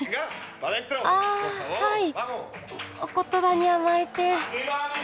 あはいお言葉に甘えて。